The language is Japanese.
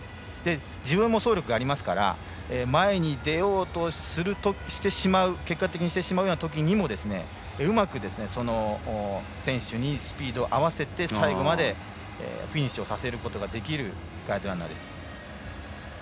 自分も走力があるので前に出ようとする結果的にしてしまうようなときにもうまく選手にスピードを合わせて最後までフィニッシュをさせることができるガイドランナーです。